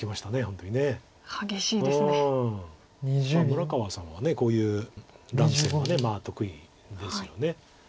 村川さんはこういう乱戦が得意ですよね。